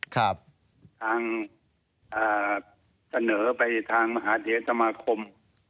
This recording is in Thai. ทางเสนอไปทางมหาเทศสมาคม